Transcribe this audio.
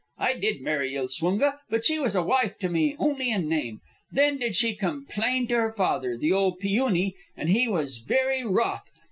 . I did marry Ilswunga, but she was a wife to me only in name. Then did she complain to her father, the old Pi Une, and he was very wroth.